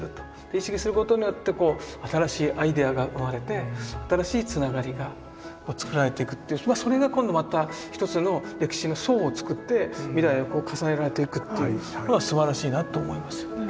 意識することによってこう新しいアイデアが生まれて新しいつながりが作られていくっていうそれが今度また一つの歴史の層を作って未来が重ねられていくっていうすばらしいなと思いますよね。